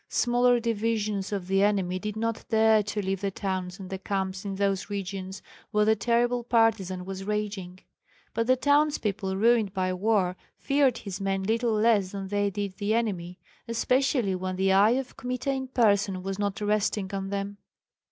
Smaller divisions of the enemy did not dare to leave the towns and the camps in those regions where the terrible partisan was raging. But the townspeople ruined by war feared his men little less than they did the enemy, especially when the eye of Kmita in person was not resting on them.